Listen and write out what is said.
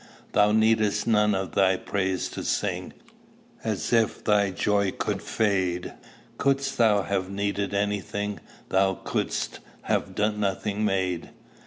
Thou needest none thy praise to sing, As if thy joy could fade: Couldst thou have needed any thing, Thou couldst have nothing made.